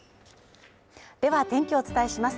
では天気をお伝えします。